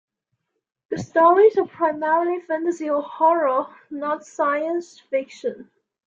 The stories are primarily fantasy or horror, not science-fiction.